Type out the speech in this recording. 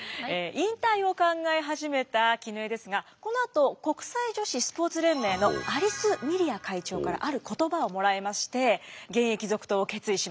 引退を考え始めた絹枝ですがこのあと国際女子スポーツ連盟のアリス・ミリア会長からある言葉をもらいまして現役続投を決意します。